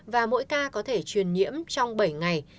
và mỗi ca có thể truyền nhiễm trong bảy ngày